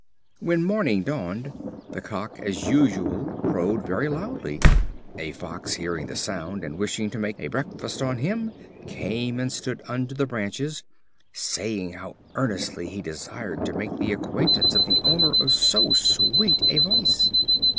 When morning dawned, the Cock, as usual, crowed very loudly. A Fox, hearing the sound, and wishing to make a breakfast on him, came and stood under the branches, saying how earnestly he desired to make the acquaintance of the owner of so sweet a voice.